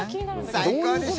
最高でしょ？